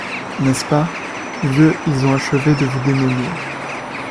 N’est-ce pas? vieux, ils ont achevé de vous démolir.